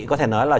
có thể nói là